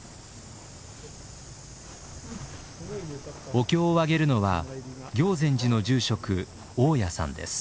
お経をあげるのは行善寺の住職雄谷さんです。